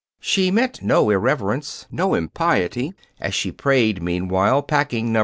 She meant no irreverence, no impiety as she prayed, meanwhile packing Nos.